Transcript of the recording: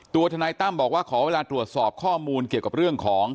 ทนายตั้มบอกว่าขอเวลาตรวจสอบข้อมูลเกี่ยวกับเรื่องของ